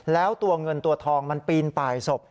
แล้วตัวเงินตัวทองมันปีนป่ายศพ